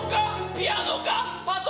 ピアノか？